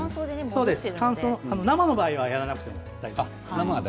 生の場合はやらなくても大丈夫です。